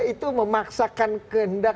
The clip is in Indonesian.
itu memaksakan kendak